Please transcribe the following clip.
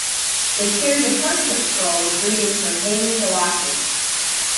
They carried a parchment scroll with greetings from Haile Selassie.